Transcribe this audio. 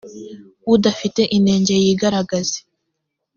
udafite inenge yigaragaze.